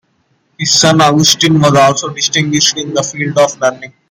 His son, Augustin was also distinguished in the field of learning.